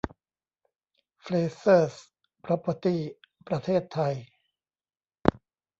เฟรเซอร์ส พร็อพเพอร์ตี้ ประเทศไทย